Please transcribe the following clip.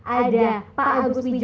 ada pak agus wijoyo